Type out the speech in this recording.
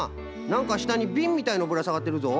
なんかしたにビンみたいのぶらさがってるぞ。